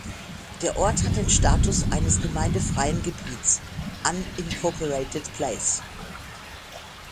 Der Ort hat den Status eines gemeindefreien Gebiets (unincorporated Place).